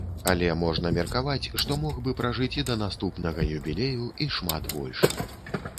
Але можна меркаваць, што мог бы пражыць і да наступнага юбілею, і шмат больш.